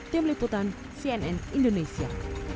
tim liputan cnn indonesia